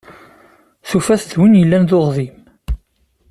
Tufa-t d win yellan d uɣdim.